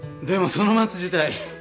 でもその松自体